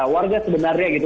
warga sebenarnya gitu